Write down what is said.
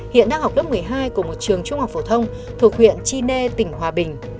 hiện đang học lớp một mươi hai của một trường trung học phổ thông thuộc huyện chi nê tỉnh hòa bình